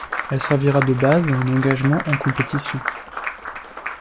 Elle servira de base à un engagement en compétition.